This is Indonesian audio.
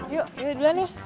yuk yuk duluan ya